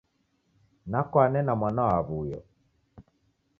Nakwane na mwana wa awuyo